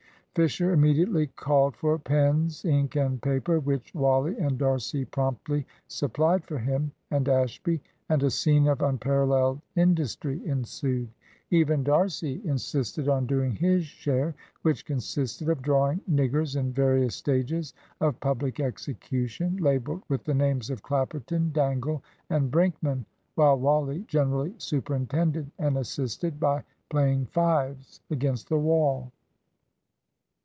Fisher immediately called for pens, ink, and paper, which Wally and D'Arcy promptly supplied for him and Ashby, and a scene of unparalleled industry ensued. Even D'Arcy insisted on doing his share, which consisted of drawing niggers in various stages of public execution, labelled with the names of Clapperton, Dangle, and Brinkman, while Wally generally superintended and assisted, by playing fives against the wall.